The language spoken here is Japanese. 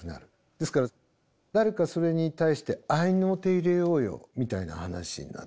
ですから誰かそれに対して合いの手入れようよみたいな話になってくる。